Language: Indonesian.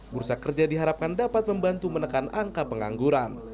bursa kerja diharapkan dapat membantu menekan angka pengangguran